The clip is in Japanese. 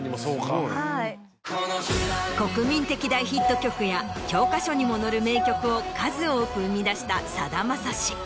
国民的大ヒット曲や教科書にも載る名曲を数多く生み出したさだまさし。